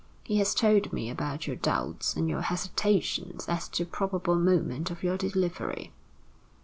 He has told me about your doubts and your hesitations as to the probable moment of your delivery."